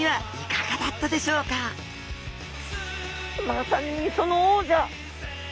まさに磯の王者！